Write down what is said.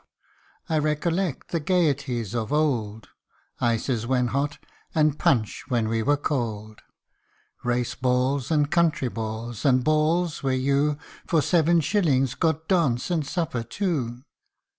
} I recollect the gaieties of old Ices when hot, and punch when we were cold ! Race balls, and county balls, and balls where you, For seven shillings, got dance and supper too.